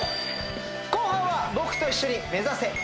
後半は僕と一緒に目指せ！